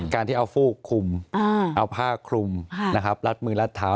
การที่เอาฟูกคลุมเอาผ้าคลุมลัดมือลัดเท้า